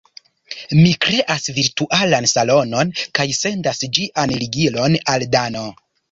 Mi kreas virtualan salonon, kaj sendas ĝian ligilon al Dano.